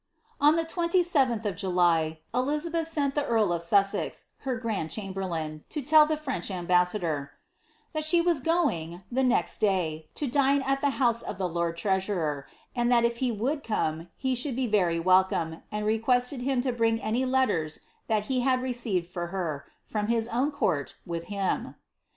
On the 2TU| of July, Elizabeth sent the earl of Sussex, her grand chamberlain, to tell the French ambassador, " that she was going, the next day, to dine at the house of the lord treasurer, and that if he would come, he should be very welcome, and requested liim lo bring any let ters that he had received fur her, from his own court, with iiim.''